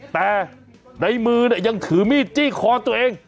แต่ในมือยังถือมีดจี้คอตัวเอง